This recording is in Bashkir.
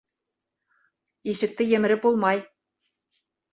Ишекте емереп булмай.